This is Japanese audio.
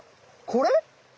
これ？